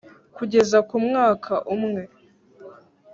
kugeza ku mwaka umwe